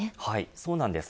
そうなんです。